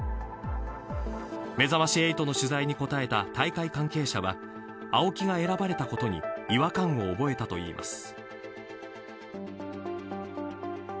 めざまし８の取材に答えた大会関係者はＡＯＫＩが選ばれたことに違和感を覚えたといいます。